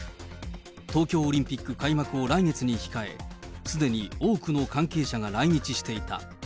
東京オリンピック開幕を来月に控え、すでに多くの関係者が来日していた。